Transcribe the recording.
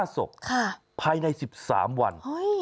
๕ศพภายใน๑๓วัน